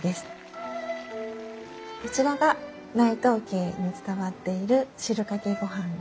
そちらが内藤家に伝わっている汁かけ御飯です。